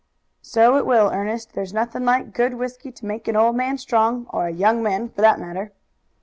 "So it will, Ernest; there's nothing like good whisky to make an old man strong, or a young man, for that matter."